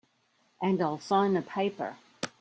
And I'll sign a paper.